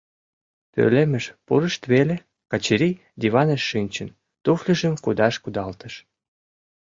Пӧлемыш пурышт веле, Качырий, диваныш шинчын, туфльыжым кудаш кудалтыш.